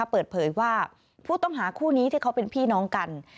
เปิดเผยว่าผู้ต้องหาคู่นี้ที่เขาเป็นพี่น้องกัน